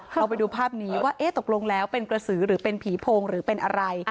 เราไปดูภาพนี้ว่าตกลงแล้วเป็นกระสือหรือเป็นผีโพงหรือเป็นอะไร